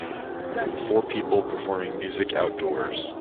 Four people performing music outdoors.